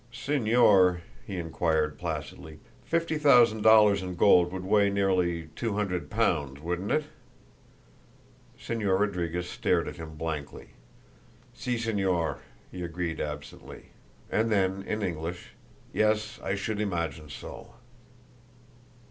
"Señor," he inquired placidly, "fifty thousand dollars in gold would weigh nearly two hundred pounds, wouldn't it?" Señor Rodriguez stared at him blankly. "Si, Señor," he agreed absently. And then, in English: "Yes, I should imagine so."